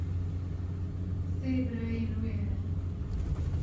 Sê birayên wê hene.